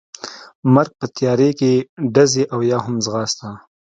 مرګ، په تیارې کې ډزې او یا هم ځغاسته.